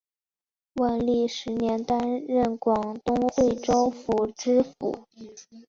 万历十年担任广东惠州府知府。